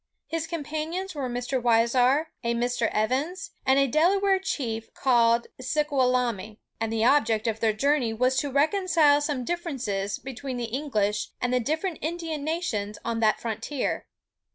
His companions were Mr. Weisar, a Mr. Evans, and a Delaware chief, called Shickalamy, and the object of their journey was to reconcile some differences between the English and the different Indian nations on that frontier.